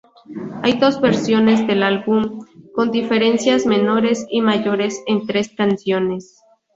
Hay dos versiones del álbum, con diferencias menores y mayores en tres canciones.